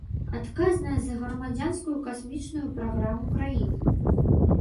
Адказная за грамадзянскую касмічную праграму краіны.